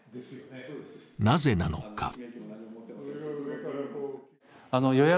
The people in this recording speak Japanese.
なぜなのか？